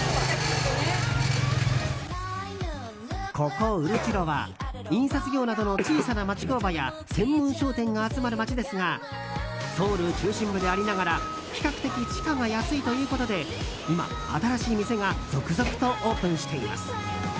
ここ、ウルチロは印刷業などの小さな町工場や専門商店が集まる街ですがソウル中心部でありながら比較的、地価が安いということで今、新しい店が続々とオープンしています。